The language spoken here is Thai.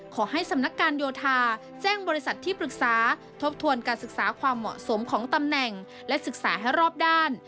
ขอให้สำนักการโยธาแจ้งบริษัทที่ปรึกษาทบทวนการศึกษาความเหมาะสมของตำแหน่งและศึกษาให้รอบด้าน